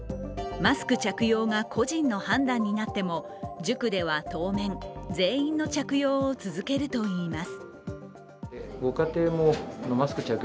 マスク着用が個人の判断になっても、塾では当面、全員の着用を続けるといいます。